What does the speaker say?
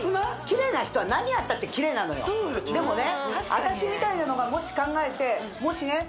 キレイな人は何やったってキレイなのよでもね私みたいなのがもし考えてもしね